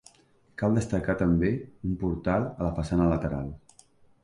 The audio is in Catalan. Cal destacar també un portal a la façana lateral.